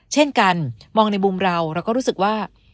เช่นกันมองในมุมเราเราก็รู้สึกว่า